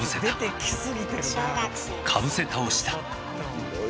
かぶせ倒した。